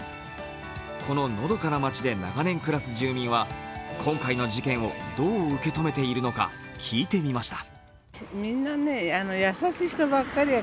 こののどかな町で長年暮らす住民は今回の事件をどう受け止めているのか、聞いてみました。